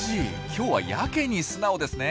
今日はやけに素直ですね。